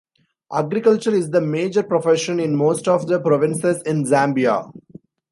Agriculture is the major profession in most of the provinces in Zambia.